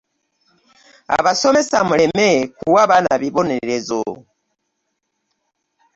Abasomesa muleme kuwa baana bibonerezo.